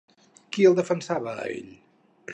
Qui el defensa, a ell?